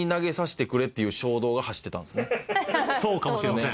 そうかもしれません。